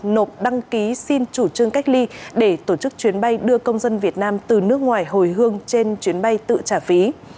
nộp đăng ký xin chủ trương cách ly để tổ chức chuyến bay đưa công dân việt nam từ nước ngoài hồi hương trên chuyến bay tự trả phí